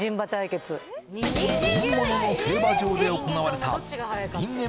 本物の競馬場で行われた人間